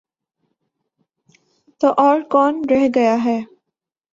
تو اور کون رہ گیا ہے؟